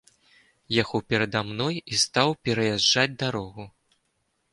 Ехаў перада мной і стаў пераязджаць дарогу.